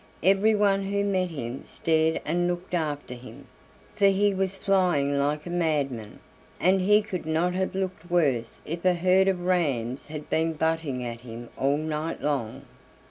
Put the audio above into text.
Everyone who met him stared and looked after him, for he was flying like a madman, and he could not have looked worse if a herd of rams had been butting at him all night long.